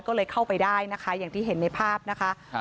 ก็เลยเข้าไปได้นะคะอย่างที่เห็นในภาพนะคะ